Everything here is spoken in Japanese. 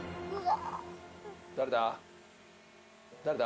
誰だ？